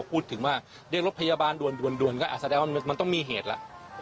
พูดถึงว่าเรียกรถพยาบาลด่วนก็อาจแสดงว่ามันต้องมีเหตุแล้ว